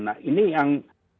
nah ini yang